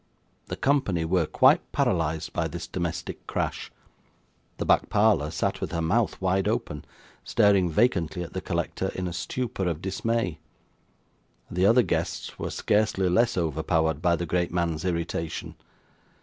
The company were quite paralysed by this domestic crash. The back parlour sat with her mouth wide open, staring vacantly at the collector, in a stupor of dismay; the other guests were scarcely less overpowered by the great man's irritation.